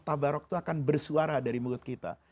tabarak itu akan bersuara dari mulut kita